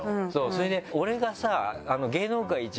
それで俺がさ。